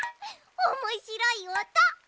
おもしろいおと。